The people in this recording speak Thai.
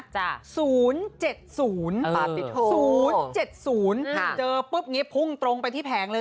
เจอปุ๊บพุ่งตรงไปที่แผงเลย